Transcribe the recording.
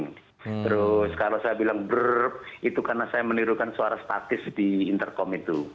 terus kalau saya bilang itu karena saya menirukan suara statis di intercom itu